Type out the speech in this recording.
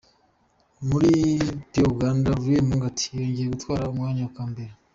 Muri Pearl Uganda Rally Mangat yongeye gutwara umwanya wa mbere.